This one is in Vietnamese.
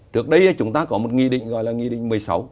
trước đây chúng ta có một nghị định gọi là nghị định một mươi sáu